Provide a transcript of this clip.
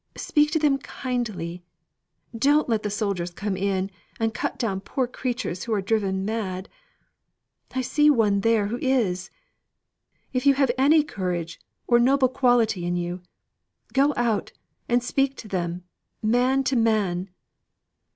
Speak to them kindly. Don't let the soldiers come in and cut down poor creatures who are driven mad. I see one there who is. If you have any courage or noble quality in you, go out and speak to them, man to man!"